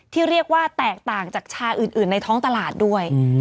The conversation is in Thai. ที่เรียกว่าแตกต่างจากชาอื่นในท้องตลาดด้วย